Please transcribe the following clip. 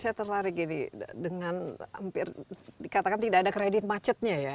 saya tertarik ini dengan hampir dikatakan tidak ada kredit macetnya ya